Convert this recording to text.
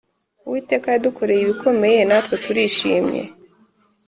uwiteka yadukoreye ibikomeye natwe turishimye